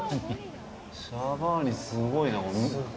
シャバーニ、すごいな。